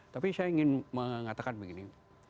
tapi saya ingin mengatakan begini